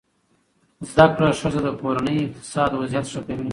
زده کړه ښځه د کورنۍ اقتصادي وضعیت ښه کوي.